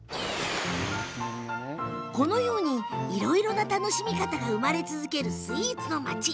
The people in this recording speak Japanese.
このように、いろいろな楽しみ方が生まれ続けるスイーツの街